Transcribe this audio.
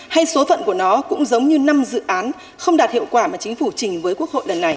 hay số phận của nó cũng giống như năm dự án không đạt hiệu quả mà chính phủ trình với quốc hội lần này